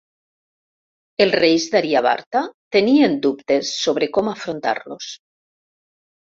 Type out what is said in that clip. Els reis d'Aryavarta tenien dubtes sobre com afrontar-los.